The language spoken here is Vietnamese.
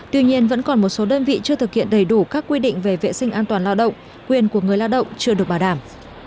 tuy nhiên vẫn còn một số đơn vị chưa thực hiện đầy đủ các quy định về vệ sinh an toàn lao động quyền của người lao động chưa được bảo đảm